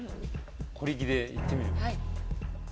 小力で行ってみる？